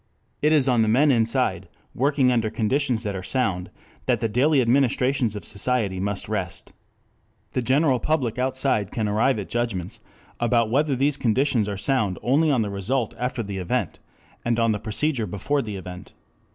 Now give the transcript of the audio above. It is on the men inside, working under conditions that are sound, that the daily administrations of society must rest. The general public outside can arrive at judgments about whether these conditions are sound only on the result after the event, and on the procedure before the event.